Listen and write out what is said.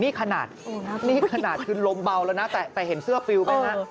นี่ขนาดคือลมเบาแล้วแต่เห็นเสื้อฟิวไปนะ